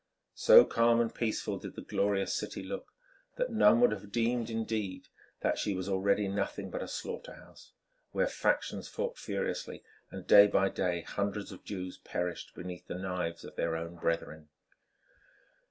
So calm and peaceful did the glorious city look that none would have deemed indeed that she was already nothing but a slaughter house, where factions fought furiously, and day by day hundreds of Jews perished beneath the knives of their own brethren.